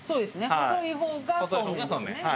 細い方がそうめんですね。